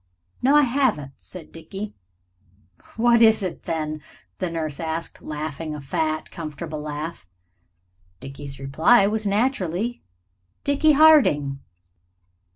"No, I haven't," said Dickie. "What is it, then?" the nurse asked, laughing a fat, comfortable laugh. Dickie's reply was naturally "Dickie Harding."